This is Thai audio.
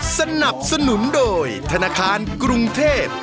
สนับสนุนโดยธนาคารกรุงเทพ